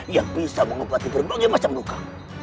yang bisa mengobati berbagai macam luka